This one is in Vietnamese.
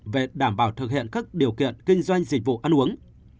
về đảm bảo thực hiện các điều kiện kinh doanh dịch vụ ăn uống